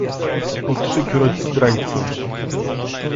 "po trzykroć zdrajco!"